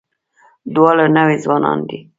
دواړه نوي ځوانان دي.